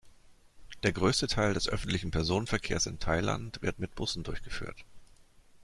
Der größte Teil des öffentlichen Personenverkehrs in Thailand wird mit Bussen durchgeführt.